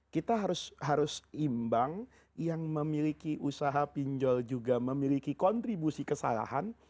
kita harus imbang yang memiliki usaha pinjol juga memiliki kontribusi kesalahan